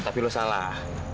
tapi kamu salah